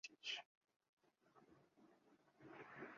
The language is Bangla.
বারান্দায় ঢালার পরিবর্তে ওর সারা গায়ে প্রসাদ ঢেলে দিয়েছিস।